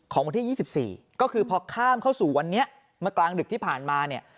วันที่๒๔ก็คือพอข้ามเข้าสู่วันนี้มากลางดึกที่ผ่านมาเนี่ย